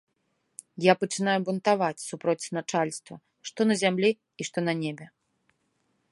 Я пачынаю бунтаваць супроць начальства, што на зямлі і што на небе.